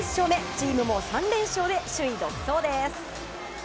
チームも３連勝で首位独走です。